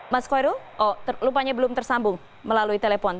mas khoirul oh lupanya belum tersambung melalui telepon